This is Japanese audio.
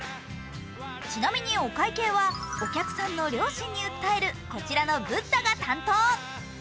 ちなみにお会計はお客さんの良心に訴えるこちらのブッダが担当。